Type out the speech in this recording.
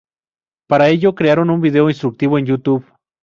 Para ello, crearon un video instructivo en YouTube.